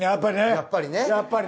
やっぱりね！